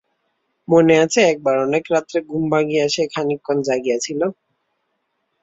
মনে আছে একবার অনেক রাত্রে ঘুম ভাঙিয়া সে খানিকক্ষণ জাগিয়া ছিল।